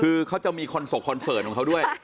คือเขาจะมีคอนเสิร์ตคอนเสิร์ตของเขาด้วย